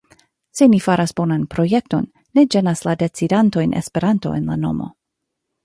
Se ni faras bonan projekton, ne ĝenas la decidantojn Esperanto en la nomo.